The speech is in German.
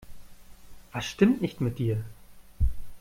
Was stimmt nicht mit dir?